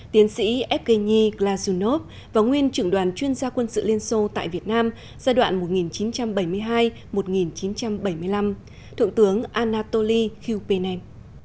tiến sĩ evgeni klausov và nguyên trưởng đoàn chuyên gia quân sự liên xô tại việt nam giai đoạn một nghìn chín trăm bảy mươi hai một nghìn chín trăm bảy mươi năm thượng tướng anatoly kupinen